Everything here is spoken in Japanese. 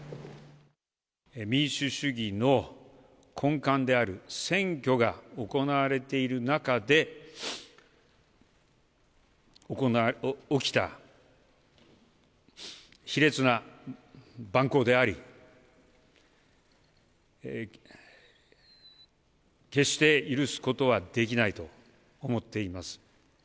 民主主義の根幹である選挙が行われている中で起きた、卑劣な蛮行であり、決して許すことはできないと思っています。